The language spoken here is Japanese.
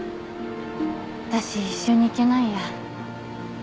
あたし一緒に行けないや。